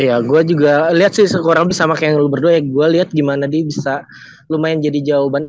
iya gua juga lihat sih seorang bisa makin lu berdua ya gua lihat gimana dia bisa lumayan jadi jawaban